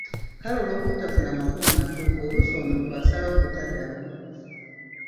Kale olw'obutafuna makulu matuufu oluusi omuntu asalawo butaddamu .